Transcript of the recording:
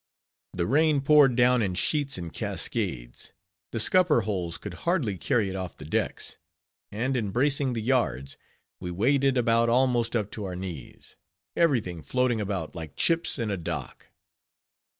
The rain poured down in sheets and cascades; the scupper holes could hardly carry it off the decks; and in bracing the yards we waded about almost up to our knees; every thing floating about, like chips in a dock.